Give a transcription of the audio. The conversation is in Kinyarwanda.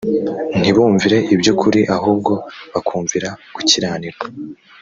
ntibumvire iby’ukuri ahubwo bakumvira gukiranirwa